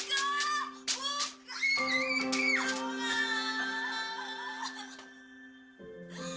saya nggak boleh ke jam disini